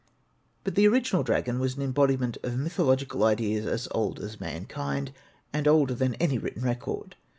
But the original dragon was an embodiment of mythological ideas as old as mankind, and older than any written record.